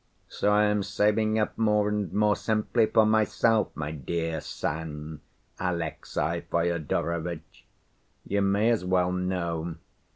So I am saving up more and more, simply for myself, my dear son Alexey Fyodorovitch. You may as well know.